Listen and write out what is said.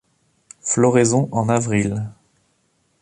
Floraison en avril.